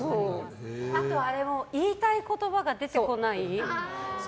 あと言いたい言葉が出てこない。